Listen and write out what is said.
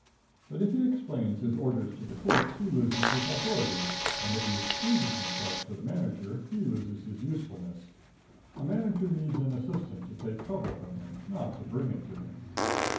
But if he explains his orders to the clerks he loses his authority, and if he excuses himself to the manager he loses his usefulness. A manager needs an assistant to take trouble from him, not to bring it to him.